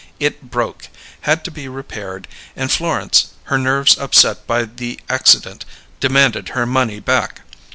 It broke, had to be repaired; and Florence, her nerves upset by the accident, demanded her money back.